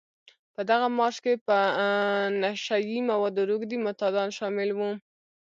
په دغه مارش کې په نشه يي موادو روږدي معتادان شامل وو.